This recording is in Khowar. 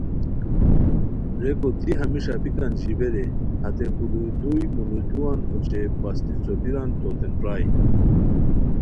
ریکو دی ہمی ݰاپیکان ژیبے رے ہتے پولوئیدو مولوئیدوان اوچے پستی څوپیران توتین پرائے